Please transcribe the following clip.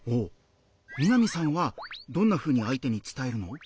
みなみさんはどんなふうに相手に伝えるの？